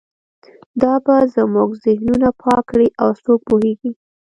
دا به زموږ ذهنونه پاک کړي او څوک پوهیږي